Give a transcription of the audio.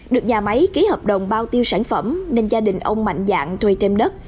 được nhà máy ký hợp đồng bao tiêu sản phẩm nên gia đình ông mạnh dạng thuê thêm đất